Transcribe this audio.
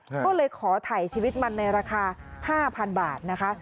ก็เลยขอถ่ายชีวิตมันในราคา๕๐๐๐บาทนะคะ